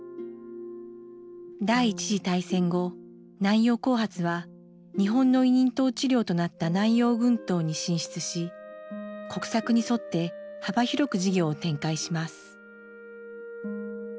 第１次大戦後南洋興発は日本の委任統治領となった南洋群島に進出し国策に沿って幅広く事業を展開します。